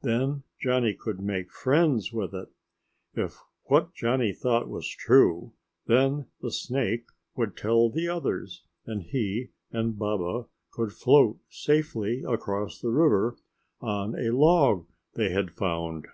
Then Johnny could make friends with it. If what Johnny thought was true, then the snake would tell the others and he and Baba could float safely across the river on a log they had found.